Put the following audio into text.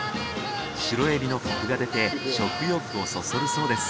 シロエビのコクが出て食欲をそそるそうです。